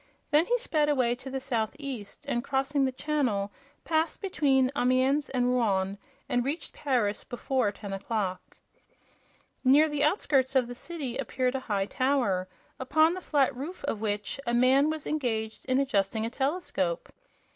Then he sped away to the southeast and, crossing the channel, passed between Amiens and Rouen and reached Paris before ten o'clock. Near the outskirts of the city appeared a high tower, upon the flat roof of which a man was engaged in adjusting a telescope.